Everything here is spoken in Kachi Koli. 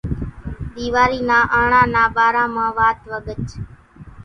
ۮيوارِي نا آنڻا نا ٻارا مان وات وڳچ